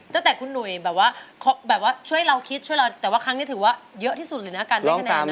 ตั้งแต่คุณหนุ่ยแบบว่าแบบว่าช่วยเราคิดช่วยเราแต่ว่าครั้งนี้ถือว่าเยอะที่สุดเลยนะการได้คะแนนนะ